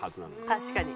確かに。